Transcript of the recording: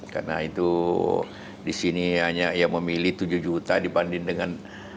karena itu di sini hanya memilih tujuh juta dibanding dengan